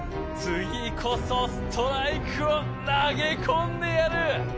つぎこそストライクをなげこんでやる！